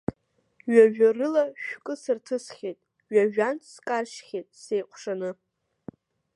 Ҩажәа рыла шәкы сырҭысхьеит, ҩажәантә скаршьхьеит сеиҟәшаны.